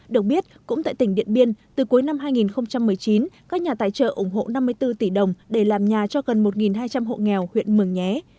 được biết cũng tại tỉnh điện biên từ cuối năm hai nghìn một mươi chín các nhà tài trợ ủng hộ năm mươi bốn tỷ đồng để làm nhà cho gần một hai trăm linh hộ nghèo huyện mường nhé